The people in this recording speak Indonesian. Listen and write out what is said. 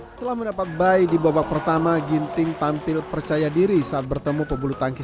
hai selamat dapat by di babak pertama ginting tampil percaya diri saat bertemu pebuluh tangki